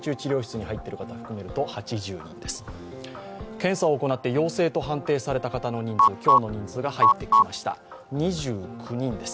検査を行って陽性と判定された方の今日の人数が入ってきました２９人です。